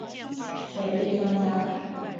水利专家。